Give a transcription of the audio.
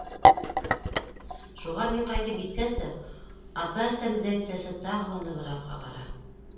Шуға мин ҡайтып еткәнсе ата-әсәмдең сәсе тағы ла нығыраҡ ағара.